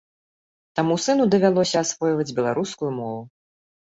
Таму сыну давялося асвойваць беларускую мову.